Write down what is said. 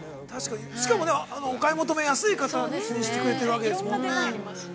◆しかも、お買い求め安い価格にしてくれているわけですからね。